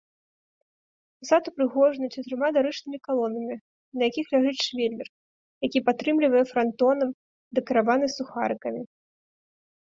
Фасад упрыгожаны чатырма дарычнымі калонамі, на якіх ляжыць швелер, які падтрымлівае франтонам, дэкараваны сухарыкамі.